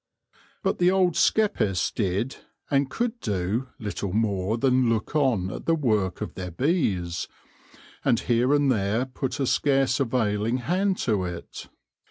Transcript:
But the old skeppists did, and could do, little more than look on at the work of their bees, and here and there put a scarce availing hand to it.